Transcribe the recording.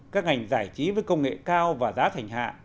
các ngành giải trí với công nghệ cao và giá thành hạ